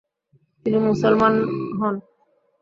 তিনি মুসলমান হন।